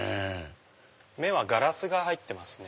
目はガラスが入ってますね。